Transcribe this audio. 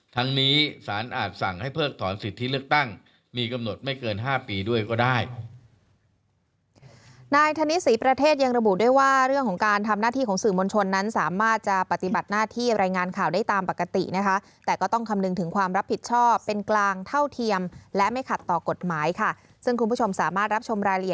ทั้งนี้สารอาจสั่งให้เพิกถอนสิทธิเลือกตั้งมีกำหนดไม่เกิน๕ปีด้วยก็ได้